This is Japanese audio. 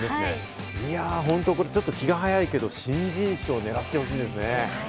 本当、気が早いけど新人賞を狙ってほしいですね。